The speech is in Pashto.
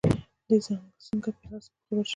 دى څنگه پر هر څه خبر سوى و.